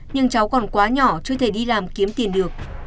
nhưng cháu còn quá nhỏ chưa thể đi làm kiếm tiền được